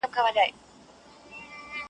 په ګودر کي لنډۍ ژاړي د منګیو جنازې دي .